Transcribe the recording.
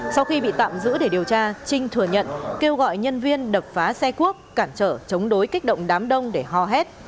sau khi bị tạm giữ để điều tra trinh thừa nhận kêu gọi nhân viên đập phá xe cuốc cản trở chống đối kích động đám đông để hò hét